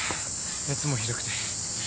熱もひどくて。